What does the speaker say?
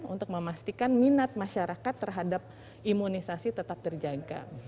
untuk memastikan minat masyarakat terhadap imunisasi tetap terjaga